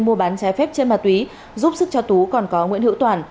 mua bán trái phép trên ma túy giúp sức cho tú còn có nguyễn hữu toàn